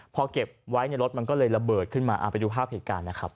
พอเก็บไว้ในรถมันก็เลยระเบิดขึ้นมาไปดูภาพเหตุการณ์นะครับ